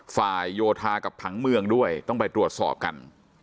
โยธากับผังเมืองด้วยต้องไปตรวจสอบกัน